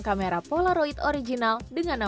kameranya telah dihentikan wifi awet ini